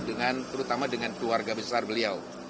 dengan terutama dengan keluarga besar beliau